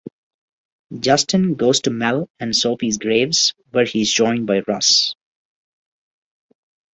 Justin goes to Mel and Sophie's graves, where he is joined by Russ.